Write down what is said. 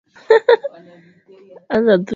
wanatarajiwa kukumbana na mkono wa sheria